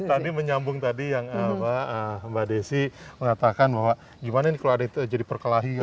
tadi menyambung tadi yang mbak desi mengatakan bahwa gimana nih kalau ada itu jadi perkelahian